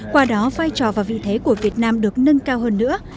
qua đó vai trò và vị thế của việt nam được nâng cao hơn nữa